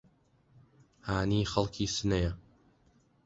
هانی خەڵکی سنەیە